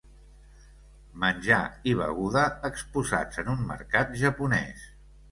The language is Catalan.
Menjar i beguda exposats en un mercat japonès.